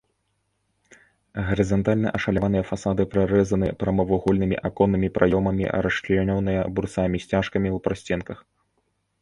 Гарызантальна ашаляваныя фасады прарэзаны прамавугольнымі аконнымі праёмамі, расчлянёныя брусамі-сцяжкамі ў прасценках.